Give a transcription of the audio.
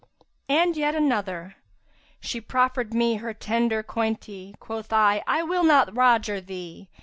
'[FN#343] And yet another, 'She proffered me a tender coynte * Quoth I 'I will not roger thee!'